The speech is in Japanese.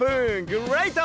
グレイト！